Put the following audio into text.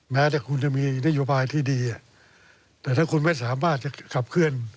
แม้แต่คุณจะมีนโยบายที่ดีแต่ถ้าคุณไม่สามารถจะขับเคลื่อน